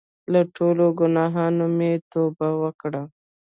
له ټولو ګناهونو مې توبه وکړه.